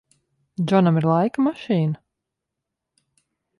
Džonam ir laika mašīna?